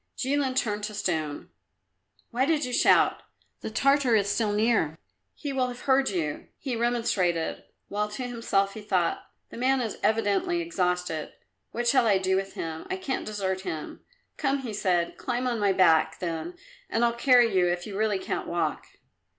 Jilin turned to stone. "Why did you shout? The Tartar is still near; he will have heard you," he remonstrated, while to himself he thought, "The man is evidently exhausted; what shall I do with him? I can't desert him." "Come," he said, "climb on to my back, then, and I'll carry you if you really can't walk."